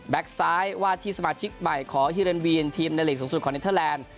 ซ้ายว่าที่สมาชิกใหม่ของฮิเรนวีนทีมในหลีกสูงสุดของเนเทอร์แลนด์